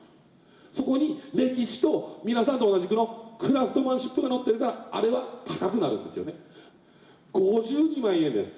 そこに歴史と皆さんと同じクラフトマンシップがのってるからあれは高くなるんですよね。